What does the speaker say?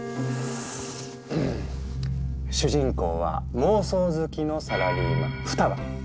主人公は妄想好きのサラリーマン二葉。